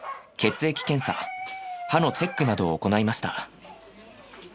血液検査歯のチェックなどを行いました。